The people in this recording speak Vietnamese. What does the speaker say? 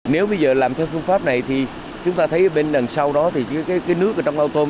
nếu bây giờ làm theo phương pháp này thì chúng ta thấy bên đằng sau đó thì cái nước ở trong ao tôm